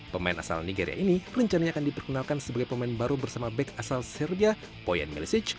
pemain asal nigeria ini rencananya akan diperkenalkan sebagai pemain baru bersama back asal serbia poyan melisic